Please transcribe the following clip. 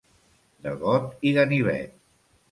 De got i ganivet.